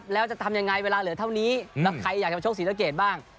แล้วจะทำยังไงเวลาเหลือเท่านี้แล้วใครอยากจะมาชกศรีสะเกดบ้าง